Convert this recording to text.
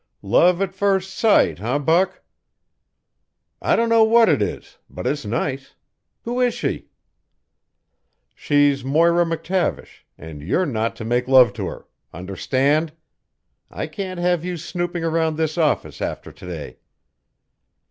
"Love at first sight, eh, Buck?" "I don't know what it is, but it's nice. Who is she?" "She's Moira McTavish, and you're not to make love to her. Understand? I can't have you snooping around this office after to day."